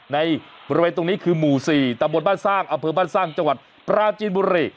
ในบริเวณตรงนี้คือหมู่๔ตำบลบ้านสร้างอเภอบ้านสร้างจังหวัดปราจีนบุรี